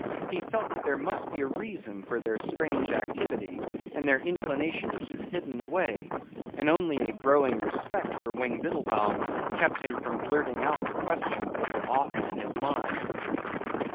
He felt that there must be a reason for their strange activity and their inclination to keep hidden away and only a growing respect for Wing Biddlebaum kept him from blurting out the questions that were often in his mind.